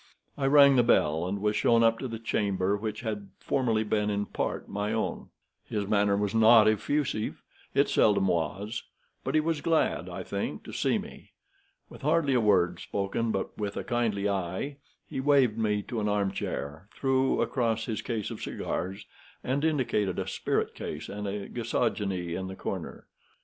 I rang the bell, and was shown up to the chamber which had formerly been in part my own. His manner was not effusive. It seldom was; but he was glad, I think, to see me. With hardly a word spoken, but with a kindly eye, he waved me to an armchair, threw across his case of cigars, and indicated a spirit case and a gasogene in the corner.